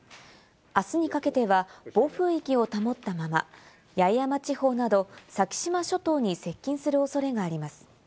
あすにかけては暴風域を保ったまま、八重山地方など先島諸島に接近するおそれがあります。